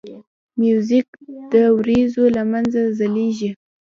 موزیک د وریځو له منځه ځلیږي.